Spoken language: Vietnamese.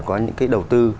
có những cái đầu tư